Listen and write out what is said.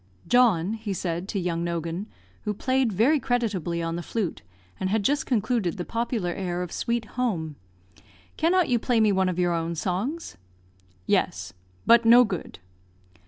"John," he said to young Nogan (who played very creditably on the flute, and had just concluded the popular air of "Sweet Home"), "cannot you play me one of your own songs?" "Yes, but no good."